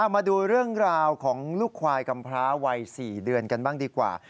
มาดูเรื่องราวของลูกควายกำพร้าวัย๔เดือนกันบ้างดีกว่า